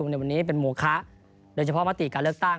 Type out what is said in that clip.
แบบนี้เป็นโหมคะโดยเฉพาะมาตรีการเลือกตั้ง